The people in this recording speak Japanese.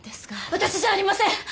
私じゃありません！